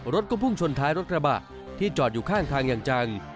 รถก็พุ่งชนท้ายรถกระบะที่จอดอยู่ข้างทางอย่างจัง